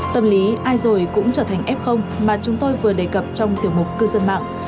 tâm lý ai rồi cũng trở thành f mà chúng tôi vừa đề cập trong tiểu mục cư dân mạng